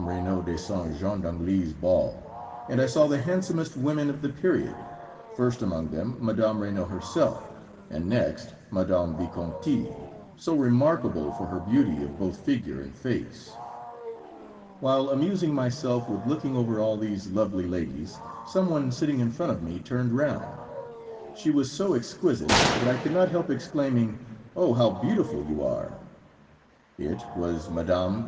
Regnault de Saint Jean d'Angély's ball, and I saw the handsomest women of the period, first among them Mme. Regnault herself, and next Mme. Visconti, so remarkable for her beauty of both figure and face. While amusing myself with looking over all these lovely ladies, some one sitting in front of me turned round. She was so exquisite that I could not help exclaiming, "Oh, how beautiful you are!" It was Mme.